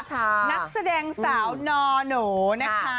นักแสดงสาวนอโหนะคะ